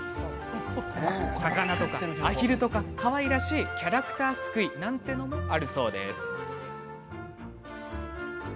魚や、あひるなどかわいらしいキャラクターすくいなんてものもあるそうです。